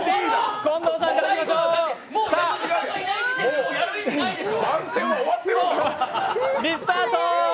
もうやる意味ないでしょ。